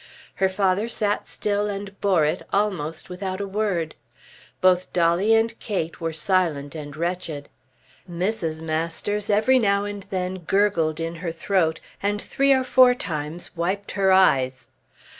Her father sat still and bore it, almost without a word. Both Dolly and Kate were silent and wretched. Mrs. Masters every now and then gurgled in her throat, and three or four times wiped her eyes.